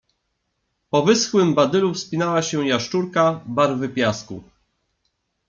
Po wyschłym badylu wspinała się jasz czurka, barwy piasku.